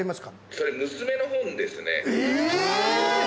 それ娘の本ですね。